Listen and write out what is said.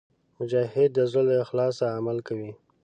مجاهد د زړه له اخلاصه عمل کوي.